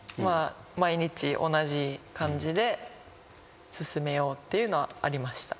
毎日同じ感じで進めようっていうのはありました。